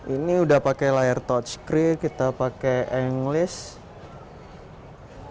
ini udah pake layar touch screen kita pake english